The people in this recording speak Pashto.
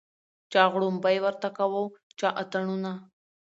چا غړومبی ورته کاوه چا اتڼونه